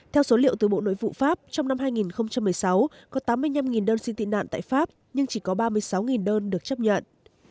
theo số liệu từ bộ nội vụ pháp trong năm hai nghìn một mươi sáu có tám mươi năm đơn xin tị nạn tại pháp nhưng chỉ có ba mươi sáu đơn được chấp nhận